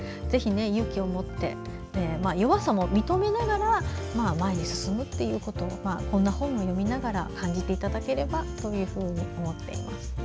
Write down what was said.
ぜひ勇気を持って弱さも認めながら前に進むということをこんな本を読みながら感じていただければと思っています。